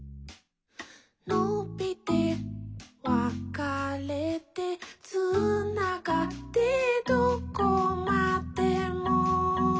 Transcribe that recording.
「のびてわかれて」「つながってどこまでも」